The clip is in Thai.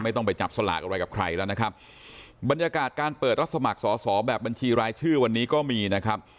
ต้องไปจับสลากอะไรกับใครแล้วนะครับบรรยากาศการเปิดรับสมัครสอสอแบบบัญชีรายชื่อวันนี้ก็มีนะครับ